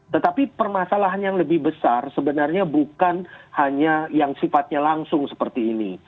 tetapi permasalahan yang lebih besar sebenarnya bukan hanya yang sifatnya langsung seperti ini